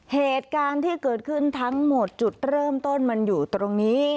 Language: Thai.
เหตุการณ์ที่เกิดขึ้นทั้งหมดจุดเริ่มต้นมันอยู่ตรงนี้